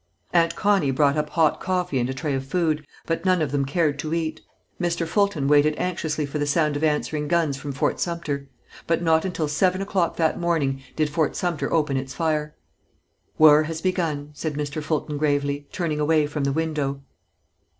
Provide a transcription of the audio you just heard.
Aunt Connie brought up hot coffee and a tray of food, but none of them cared to eat. Mr. Fulton waited anxiously for the sound of answering guns from Fort Sumter. But not until seven o'clock that morning did Fort Sumter open its fire. "War has begun," said Mr. Fulton gravely, turning away from the window.